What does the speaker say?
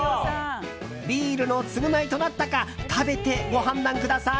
ビールの償いとなったか食べてご判断ください！